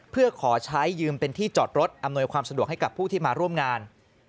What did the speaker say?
เพื่อขอใช้ยืมเป็นที่จอดรถอำนวยความสะดวกให้กับผู้ที่มาร่วมงาน